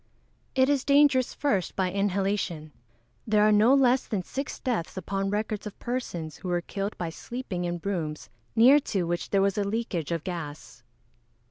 _ It is dangerous, first, by inhalation. There are no less than six deaths upon record of persons who were killed by sleeping in rooms near to which there was a leakage of gas.